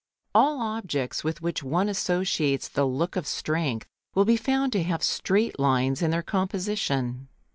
All objects with which one associates the look of strength will be found to have straight lines in their composition.